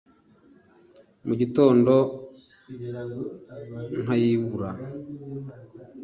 mu gitondo nkayibura